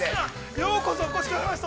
◆ようこそお越しくださいました。